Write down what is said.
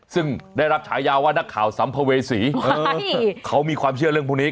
ซึ่งได้รับฉายาว่านักข่าวสัมภเวษีเขามีความเชื่อเรื่องพวกนี้